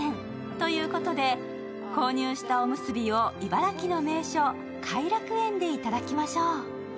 ということで購入したおむすびを茨城の名所、偕楽園でいただきましょう。